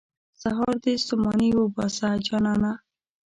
سهار دې ستوماني وباسه، جانانه.